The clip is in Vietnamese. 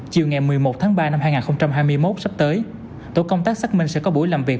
chiều ngày một mươi một tháng ba năm hai nghìn hai mươi một sắp tới tổ công tác xác minh sẽ có buổi làm việc